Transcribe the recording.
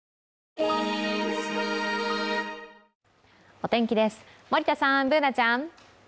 お天気です、森田さん、Ｂｏｏｎａちゃん。